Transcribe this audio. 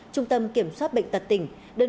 trung tâm kiểm soát bệnh tật tiện